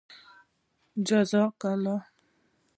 جزاك اللهُ